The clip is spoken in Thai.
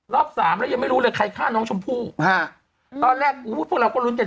สามแล้วยังไม่รู้เลยใครฆ่าน้องชมพู่ฮะตอนแรกอุ้ยพวกเราก็ลุ้นกัน